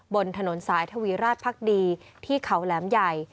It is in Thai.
บนถนนสายทวีราชพักดีที่เขาแหลมใหญ่